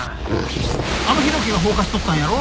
あの浩喜が放火しとったんやろ？